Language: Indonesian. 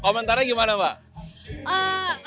komentarnya gimana mbak